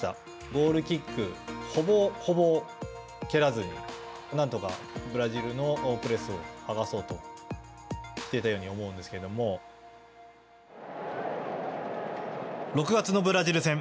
ゴールキック、ほぼほぼ蹴らずに、なんとか、ブラジルのプレスを剥がそうとしていたように思うん６月のブラジル戦。